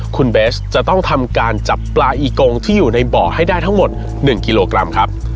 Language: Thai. คุณเบสจะต้องทำการจับปลาอีกงที่อยู่ในบ่อให้ได้ทั้งหมด๑กิโลกรัมครับ